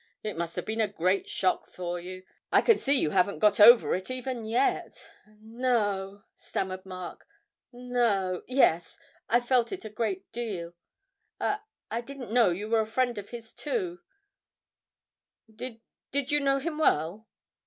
It must have been a great shock for you I can see you haven't got over it even yet.' 'No,' stammered Mark, 'no yes, I felt it a great deal. I I didn't know you were a friend of his, too; did did you know him well?'